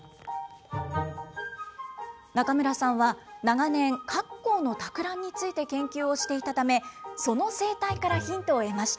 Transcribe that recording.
中村さんは長年、カッコウのたく卵について研究をしていたため、その生態からヒントを得ました。